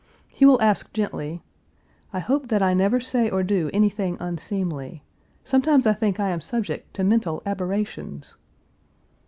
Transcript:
He will ask gently, "I hope that I never say or do anything unseemly! Sometimes I think I am subject to mental aberrations."